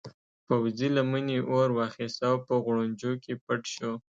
پوځي لمنې اور واخیست او په غوړنجو کې پټ شو.